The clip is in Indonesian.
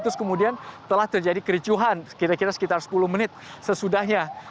terus kemudian telah terjadi kericuhan kira kira sekitar sepuluh menit sesudahnya